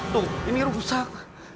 tuh ini rusak